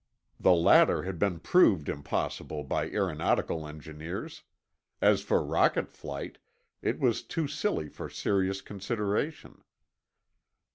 The latter had been "proved" impossible by aeronautical engineers; as for rocket flight, it was too silly for serious consideration.